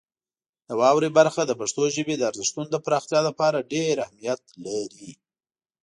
د واورئ برخه د پښتو ژبې د ارزښتونو د پراختیا لپاره ډېر اهمیت لري.